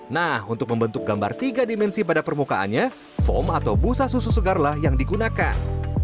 nah untuk membentuk gambar tiga dimensi pada permukaannya foam atau busa susu segarlah yang digunakan